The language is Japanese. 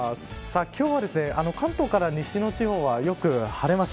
今日は関東から西の地方はよく晴れます。